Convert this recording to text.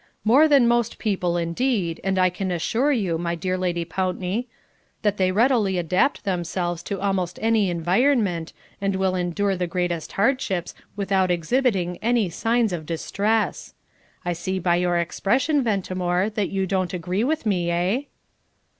"More than most people indeed, and I can assure you, my dear Lady Pountney, that they readily adapt themselves to almost any environment, and will endure the greatest hardships without exhibiting any signs of distress. I see by your expression, Ventimore, that you don't agree with me, eh?"